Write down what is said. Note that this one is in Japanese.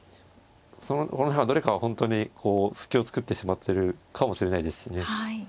どれかは本当にこう隙を作ってしまってるかもしれないですしね。